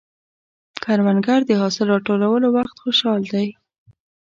کروندګر د حاصل راټولولو وخت خوشحال دی